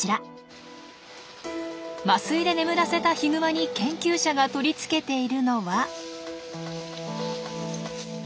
麻酔で眠らせたヒグマに研究者が取り付けているのは首輪カメラ。